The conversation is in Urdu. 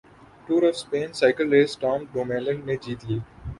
tour of Spain cycle race Tom ڈومیلینڈ نے جیت لی